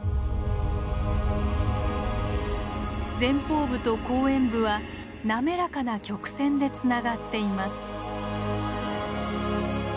前方部と後円部は滑らかな曲線でつながっています。